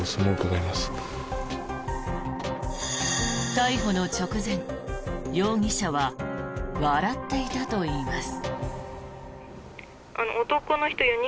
逮捕の直前容疑者は笑っていたといいます。